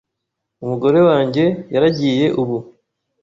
Umugore wanjye yaragiye ubu